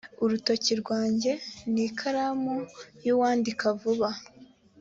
urutoki rwanjye ni ikaramu y’uwandika vuba